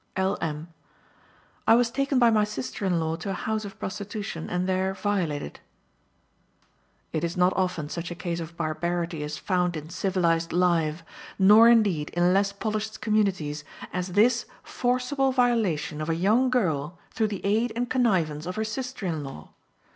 L. M.: "I was taken by my sister in law to a house of prostitution, and there violated." It is not often such a case of barbarity is found in civilized life, nor indeed in less polished communities, as this forcible violation of a young girl through the aid and connivance of her sister in law.